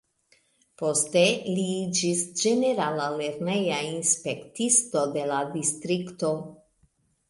Poste li iĝis ĝenerala lerneja inspektisto de la distrikto.